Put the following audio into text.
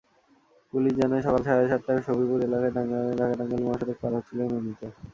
Police জানায়, সকাল সাড়ে সাতটায় সফিপুর এলাকায় ঢাকা-টাঙ্গাইল মহাসড়ক পার হচ্ছিলেন অনিতা।